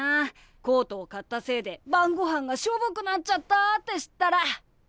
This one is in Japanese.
コートを買ったせいで晩ごはんがしょぼくなっちゃったって知ったら。